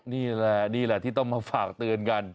นี่แหละนี่แหละที่ต้องมาฝากเตือนกัน